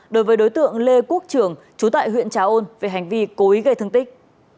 đối với đối tượng lê quốc trưởng chú tại huyện trà ôn về hành vi cố ý gây thương tích